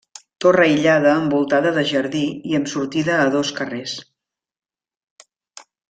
Torre aïllada envoltada de jardí i amb sortida a dos carrers.